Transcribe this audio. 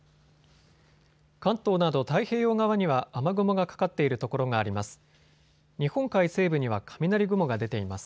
関東など太平洋側には雨雲がかかっている所があります。